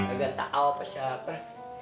agak tau apa siapa